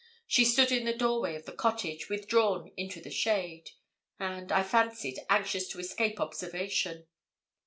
She stood in the doorway of the cottage, withdrawn into the shade, and, I fancied, anxious to escape observation.